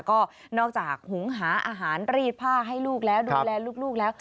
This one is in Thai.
ก็นอกจากหุงหาอาหารรีดผ้าให้ลูกแล้วดูแลลูกแล้ว